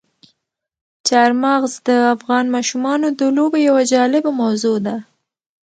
چار مغز د افغان ماشومانو د لوبو یوه جالبه موضوع ده.